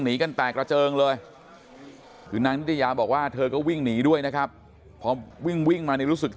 กันแตกระเจิงเลยคือนางนิตยาบอกว่าเธอก็วิ่งหนีด้วยนะครับพอวิ่งวิ่งมานี่รู้สึก